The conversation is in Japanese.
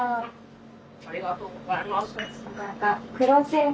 ありがとうございます。